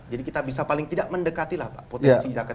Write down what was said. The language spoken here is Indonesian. jadi kita bisa paling tidak mendekati lah pak potensi zakat ini